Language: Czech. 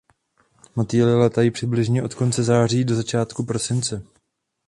Motýli létají přibližně od konce září do začátku prosince.